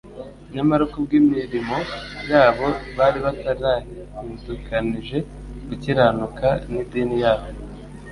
nyamara kubw'imirimo yabo bari barataridukanije gukiranuka n'idini yabo.